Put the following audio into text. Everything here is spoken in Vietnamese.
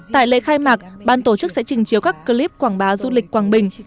tại lễ khai mạc ban tổ chức sẽ trình chiếu các clip quảng bá du lịch quảng bình